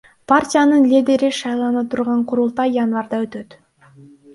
Партиянын лидери шайлана турган курултай январда өтөт.